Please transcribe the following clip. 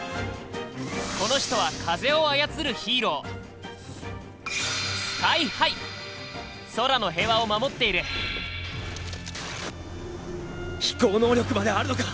この人は風を操るヒーロー空の平和を守っている飛行能力まであるのか！